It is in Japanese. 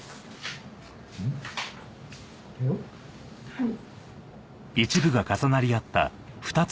はい。